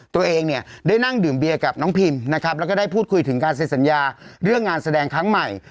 ตัวเองเนี่ยได้นั่งดื่มเบียร์กับน้องพิมนะครับแล้วก็ได้พูดคุยถึงการเซ็นสัญญาเรื่องงานแสดงครั้งใหม่